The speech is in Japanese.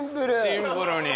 シンプルに。